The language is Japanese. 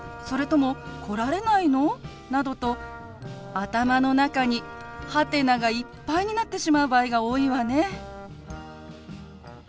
それとも来られないの？」などと頭の中にハテナがいっぱいになってしまう場合が多いわね。